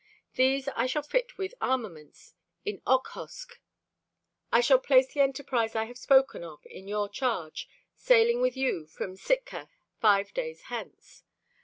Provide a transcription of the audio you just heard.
These I shall fit with armaments in Okhotsk. I shall place the enterprise I have spoken of in your charge, sailing with you from Sitka five days hence.